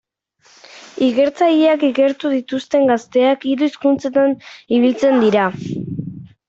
Ikertzaileak ikertu dituen gazteak hiru hizkuntzetan ibiltzen dira.